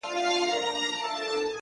• زه چي ګورمه موږ هم یو ځان وهلي,